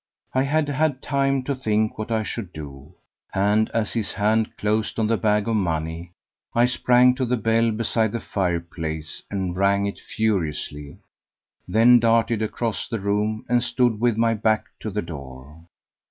I had had time to think what I should do, and as his hand closed on the bag of money I sprang to the bell beside the fireplace and rang it furiously; then darted across the room and stood with my back to the door.